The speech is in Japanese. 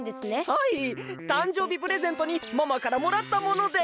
はいたんじょうびプレゼントにママからもらったもので。